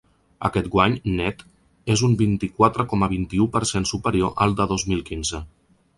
Aquest guany net és un vint-i-quatre coma vint-i-u per cent superior al de dos mil quinze.